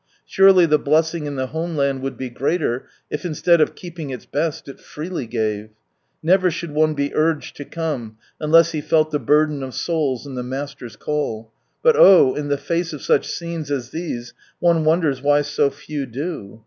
Surely the blessing in the homeland would be greater, if instead of keeping its best, it freely gave \ Never should one be urged to come, unless he felt the burden of souls and the Master's call. But, oh ! in the face of such scenes as these, one wonders why so few do.